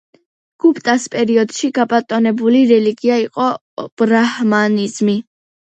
გუპტას პერიოდში გაბატონებული რელიგია იყო ბრაჰმანიზმი.